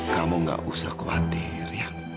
kamu gak usah khawatir ya